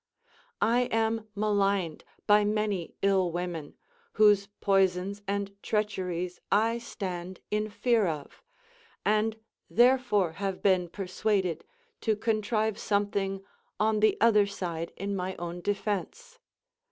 I am maligned by many ill women, whose poisons and treacheries I stand in fear of, and therefore have been per suaded to contrive something on the other side in my own defence.